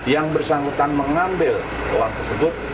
yang bersangkutan mengambil uang tersebut